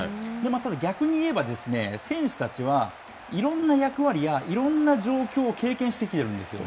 ただ逆に言えば、選手たちは、いろんな役割やいろんな状況を経験してきているんですよ。